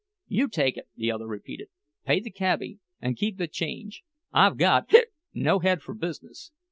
"You take it," the other repeated. "Pay the cabbie an' keep the change—I've got—hic—no head for business!